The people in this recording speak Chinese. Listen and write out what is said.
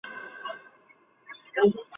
潘靖改任参赞。